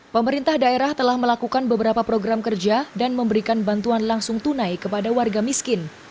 pemerintah daerah telah melakukan beberapa program kerja dan memberikan bantuan langsung tunai kepada warga miskin